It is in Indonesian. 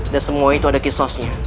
dan semua itu ada kisosnya